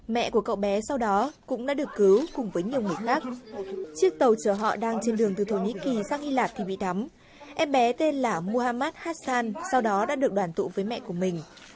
mẹ của cậu bé sau đó cũng đã được cứu cùng với nhiều người khác chiếc tàu chở họ đang trên đường từ thổ nhĩ kỳ sang hy lạp thì bị đắm em bé tên là muhammad hassan sau đó đã được đoàn tụ với mẹ của mình